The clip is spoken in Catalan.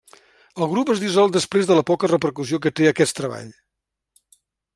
El grup es dissol després de la poca repercussió que té aquest treball.